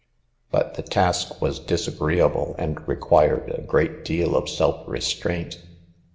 But the task was disagreeable, and required a great deal of self restraint.